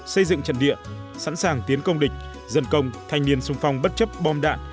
xây dựng trận địa sẵn sàng tiến công địch dân công thanh niên sung phong bất chấp bom đạn